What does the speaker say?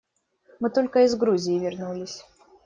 Мы только из Грузии вернулись.